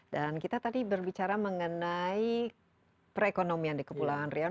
dan kita tadi berbicara mengenai perekonomian di kepulauan riau